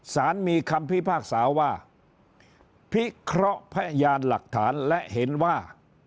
สารมีคำพิพากษาว่าพิเคราะห์พยานหลักฐานและเห็นว่า